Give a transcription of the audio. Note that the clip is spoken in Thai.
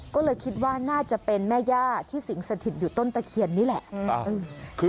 ก็เลยคิดว่าน่าจะเป็นแม่ย่าที่สิงสถิตอยู่ต้นตะเคียนนี่แหละ